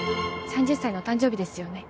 ３０歳のお誕生日ですよね？